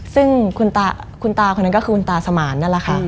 ซึ่งคุณตาคนนั้นก็คือคุณตาสมานนั่นแหละค่ะ